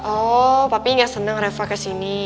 oh papi gak seneng reva kesini